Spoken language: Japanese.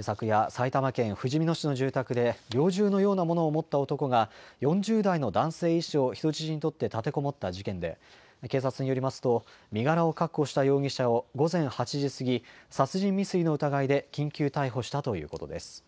昨夜、埼玉県ふじみ野市の住宅で、猟銃のようなものを持った男が、４０代の男性医師を人質に取って立てこもった事件で、警察によりますと、身柄を確保した容疑者を午前８時過ぎ、殺人未遂の疑いで緊急逮捕したということです。